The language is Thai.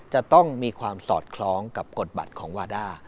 จะต้องมีความสอดคล้องกับกฎบัตรของวาด้า